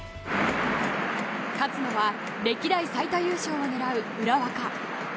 勝つのは歴代最多優勝を巡る浦和か。